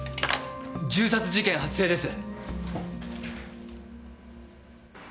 銃殺事件発生です。